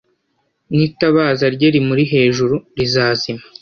N itabaza rye rimuri hejuru rizazima